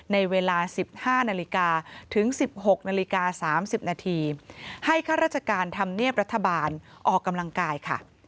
ในเวลา๑๕นาฬิกาถึง๑๖นาฬิกา๓๐นาทีให้ข้าราชการธรรมเนียบรัฐบาลออกกำลังกายค่ะ